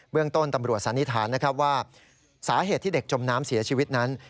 เรื่องต้นตำรวจสันนิษฐานนะครับว่าสาเหตุที่เด็กจมน้ำเสียชีวิตนั้น